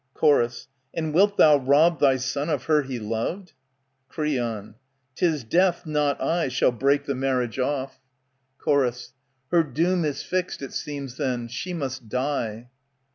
Chor, And wilt thou rob thy son of her he loved ? Creon, 'TisJ)eath, not I, shall^break the marriage off. ANTIGONE Chor, Her doom is fixed, it seems, then. She must die.